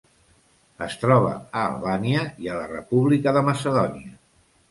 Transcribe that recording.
Es troba a Albània i a la República de Macedònia.